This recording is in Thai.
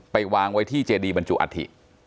ไปวางวิจุบันจุอธิ